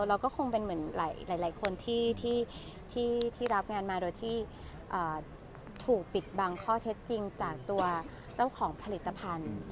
เราก็คงเป็นเหมือนหลายคนที่รับงานมาโดยที่ถูกปิดบังข้อเท็จจริงจากตัวเจ้าของผลิตภัณฑ์